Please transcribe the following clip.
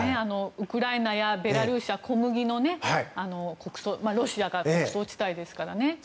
ウクライナやベラルーシは小麦のロシアが穀倉地帯ですからね。